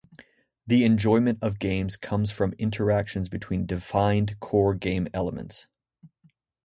The enjoyment of games comes from interactions between defined core game elements.